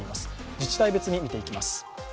自治体別に見ていきます。